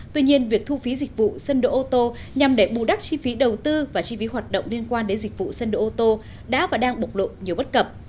tuy nhiên việc thu phí dịch vụ sân đỗ ô tô nhằm để bù đắp chi phí đầu tư và chi phí hoạt động liên quan đến dịch vụ sân đỗ ô tô đã và đang bộc lộ nhiều bất cập